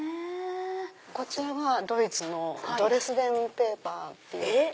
こちらはドイツのドレスデンペーパーっていって。